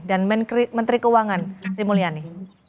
dan menteri keuangan sri mulyani